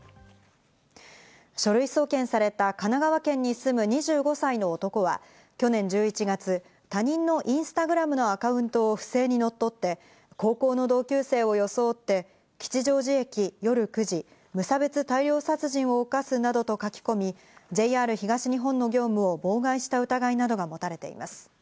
書類送検された、神奈川県に住む２５歳の男は、去年１１月、他人のインスタグラムのアカウントを不正に乗っ取って高校の同級生を装って吉祥寺駅、夜９時、無差別大量殺人を犯すなどと書き込み、ＪＲ東日本の業務を妨害した疑いなどが持たれています。